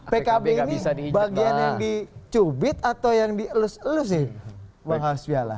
pkb ini bagian yang dicubit atau yang dielus elus sih bang hasbiala